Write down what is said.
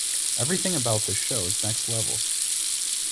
Everything about this show is next level.